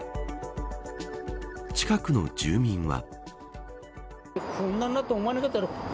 近くの住民は。